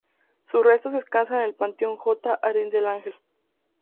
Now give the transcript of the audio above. Sus restos descansan en el panteón J"ardín del ángel.